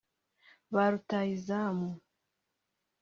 Ba Rutahizamu